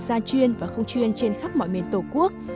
gia truyền và không truyền trên khắp mọi miền tổ quốc